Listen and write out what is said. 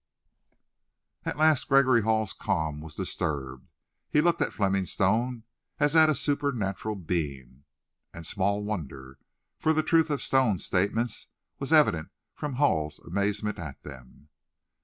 At last Gregory Hall's calm was disturbed. He looked at Fleming Stone as at a supernatural being. And small wonder. For the truth of Stone's statements was evident from Hall's amazement at them.